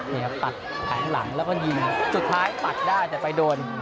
นี่ครับตัดแผงหลังแล้วก็ยิงสุดท้ายตัดได้แต่ไปโดน